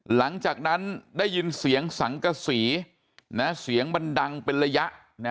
หลังจากนั้นได้ยินเสียงสังกษีเสียงมันดังเป็นระยะ